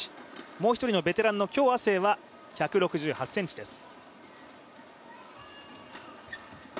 もう一人のベテランの許雅晴は１６８ｃｍです。